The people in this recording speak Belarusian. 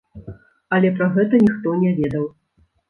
Але пра гэта ніхто не ведаў!